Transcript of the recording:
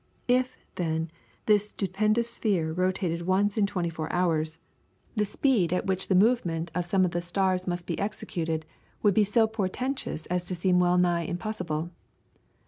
If, then, this stupendous sphere rotated once in twenty four hours, the speed with which the movement of some of the stars must be executed would be so portentous as to seem well nigh impossible.